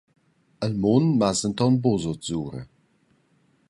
Il mund mass denton buca sutsura.